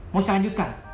mau saya lanjutkan